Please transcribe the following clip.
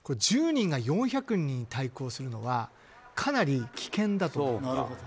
１０人が４００人に対抗するのはかなり危険だと。